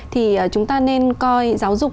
thì chúng ta nên coi giáo dục